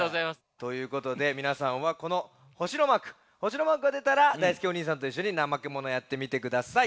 ということでみなさんはこのほしのマークほしのマークがでたらだいすけおにいさんといっしょにナマケモノやってみてください。